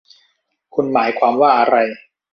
คุณหมายความว่าอะไร